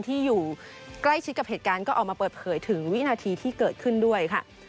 ที่อยู่ใกล้ชิดกับเหตุการณ์ก็ออกมาเปิดเผยถึงวินาทีที่เกิดขึ้นด้วยค่ะ